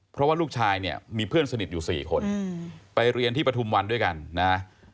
เพราะว่าลูกชายเนี่ยมีเพื่อนสนิทอยู่๔คนไปเรียนที่ปฐุมวันด้วยกันนะ